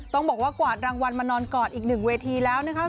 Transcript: ต้องบอกว่ากวาดรางวัลมานอนกอดอีกหนึ่งเวทีแล้วนะคะ